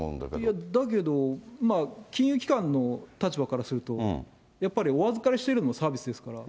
いや、だけど金融機関の立場からすると、やっぱりお預かりしてるのもサービスですから。